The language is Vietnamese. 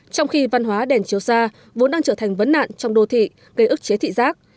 trong khi văn hóa đèn chiếu xa vốn đang trở thành vấn nạn trong đô thị gây ức chế thị giác